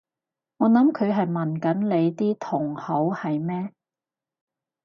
我諗佢係問緊你啲同好係咩？